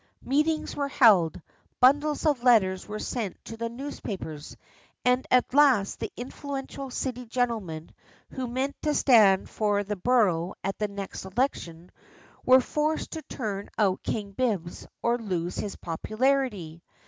Meetings were held, bundles of letters were sent to the newspapers, and at last the influential City gentleman, who meant to stand for the borough at the next election, was forced to turn out King Bibbs or lose his popularity.